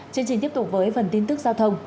chương trình tiếp tục với phần tin tức giao thông